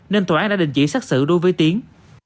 nên tòa án đã đình chỉ xác xử đối với tiến